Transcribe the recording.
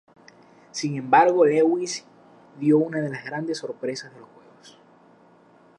Sin embargo Lewis dio una de las grandes sorpresas de los Juegos.